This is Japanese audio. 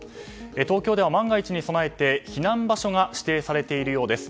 東京では万が一に備えて避難場所が指定されているそうです。